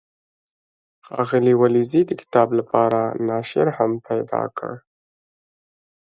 ښاغلي ولیزي د کتاب لپاره ناشر هم پیدا کړ.